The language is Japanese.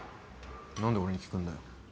何で俺に聞くんだよ。